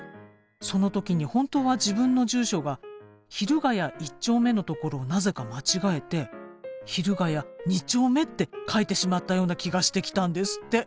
その時に本当は自分の住所が「昼ヶ谷一丁目」のところをなぜか間違えて「昼ヶ谷二丁目」って書いてしまったような気がしてきたんですって。